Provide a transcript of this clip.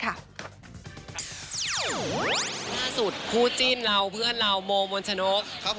ล่าสุดคู่จิ้นเราเพื่อนเราโมมนชนก